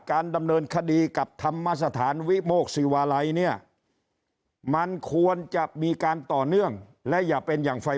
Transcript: อะไรเนี่ยมันควรจะมีการต่อเนื่องและอย่าเป็นอย่างไฟ